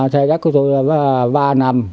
thời đất của tôi là ba năm